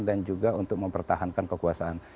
dan juga untuk mempertahankan kekuasaan